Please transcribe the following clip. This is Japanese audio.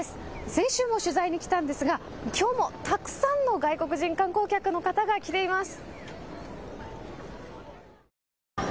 先週も取材に来たんですが、きょうもたくさんの外国人観光客の方が来ています。